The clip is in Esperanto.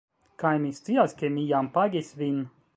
Kaj mi scias ke mi jam pagis vin